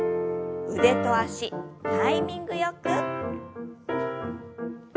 腕と脚タイミングよく。